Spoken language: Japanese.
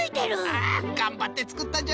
ああがんばってつくったんじゃな。